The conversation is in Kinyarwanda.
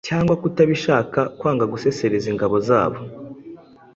cyangwa kutabishaka kwanga gusesereza ingabo zabo.